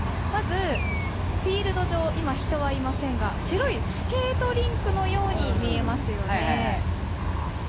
まず、フィールド上今、人はいませんが白いスケートリンクのように見えますよね。